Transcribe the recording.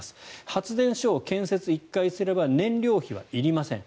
発電所を建設１回すれば燃料費はいりません。